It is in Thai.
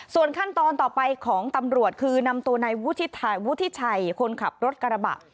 ส่วนขั้นตอนต่อไปของตำรวจคือนำตัวนายวุฒิชัยคนขับรถกระบะ